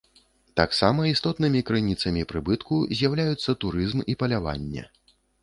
Таксама істотнымі крыніцамі прыбытку з'яўляюцца турызм і паляванне.